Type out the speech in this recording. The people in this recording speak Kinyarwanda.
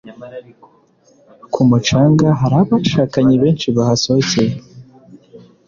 Ku mucanga hari abashakanye benshi bahasohokeye